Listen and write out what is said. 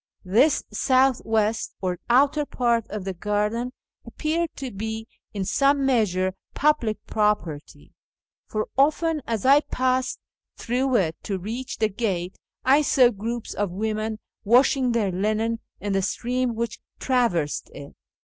This south west or outer part of the garden appeared to be in some measure public j^ropertj, for often, as I passed through it to reach the gate, I saw groups of women washing their linen in the stream which traversed it.